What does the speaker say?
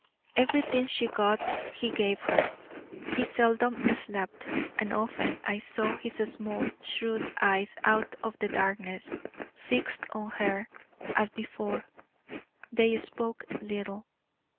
Everything she got he gave her; he seldom slept; and often I saw his small, shrewd eyes out of the darkness, fixed on her. As before, they spoke little.